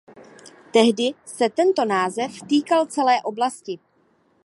Tehdy se tento název týkal celé oblasti.